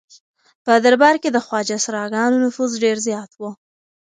په دربار کې د خواجه سراګانو نفوذ ډېر زیات و.